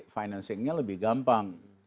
financingnya lebih gampang